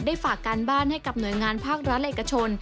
ฝากการบ้านให้กับหน่วยงานภาครัฐและเอกชน